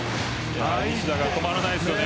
西田が止まらないですよね。